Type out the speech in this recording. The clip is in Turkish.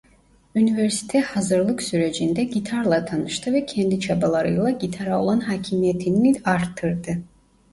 Üniversite hazırlık sürecinde gitarla tanıştı ve kendi çabalarıyla gitara olan hakimiyetini arttırdı.